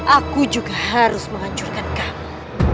aku juga harus menghancurkan kamu